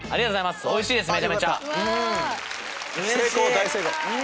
大成功！